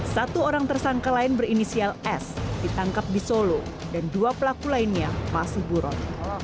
satu orang tersangka lain berinisial s ditangkap di solo dan dua pelaku lainnya masih buron